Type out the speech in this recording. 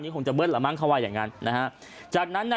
คงจะเบิ้ลละมั้งเขาว่าอย่างงั้นนะฮะจากนั้นน่ะ